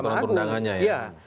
dalam peraturan perundangannya ya